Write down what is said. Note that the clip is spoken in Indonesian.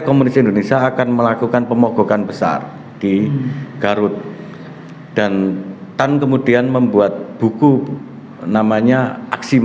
komunis indonesia akan melakukan pemogokan besar di garut dan tan kemudian membuat buku namanya aksi